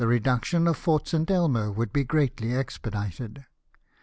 reduction of Fort St. Elmo would be greatly expedited.